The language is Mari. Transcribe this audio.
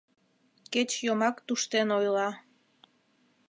Кеч йомак туштен ойла